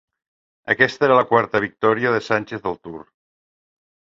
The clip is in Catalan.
Aquesta era la quarta victòria de Sánchez al Tour.